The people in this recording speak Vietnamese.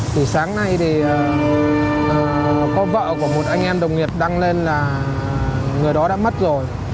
từ sáng nay thì có vợ của một anh em đồng nghiệp đăng lên là người đó đã mất rồi